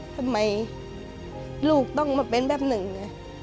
ทำไมลูกต้องมาเป็นแบบหนึ่ง